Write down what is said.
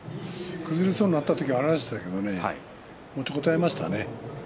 崩れそうになった時ありましたけれど持ちこたえましたね。